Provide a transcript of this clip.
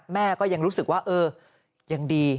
แม่ก็ยังรู้สึกว่าเออยังดี